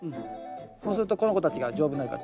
そうするとこの子たちが丈夫になるから。